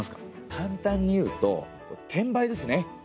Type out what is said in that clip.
簡単に言うと転売ですね。